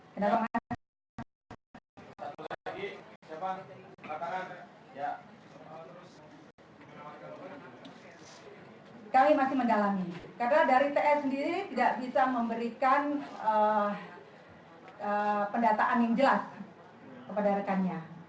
kita masih mendalami karena dari ps sendiri tidak bisa memberikan pendataan yang jelas kepada rekannya